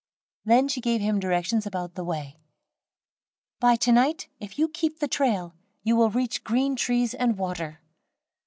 Then she gave him directions about the way. "By to night, if you keep the trail, you will reach green trees and water.